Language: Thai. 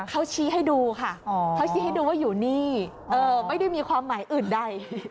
เขาชี้ให้ดูค่ะเขาชี้ให้ดูว่าอยู่นี่ไม่ได้มีความหมายอื่นใด